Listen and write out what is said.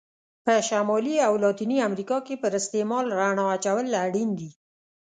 په شمالي او لاتینې امریکا کې پر استعمار رڼا اچول اړین دي.